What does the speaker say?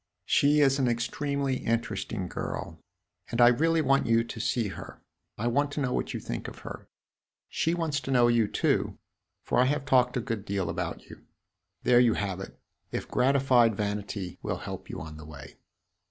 She is an extremely interesting girl, and I really want you to see her I want to know what you think of her. She wants to know you, too, for I have talked a good deal about you. There you have it, if gratified vanity will help you on the way.